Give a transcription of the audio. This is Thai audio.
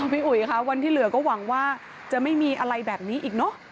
อุ๋ยค่ะวันที่เหลือก็หวังว่าจะไม่มีอะไรแบบนี้อีกเนอะ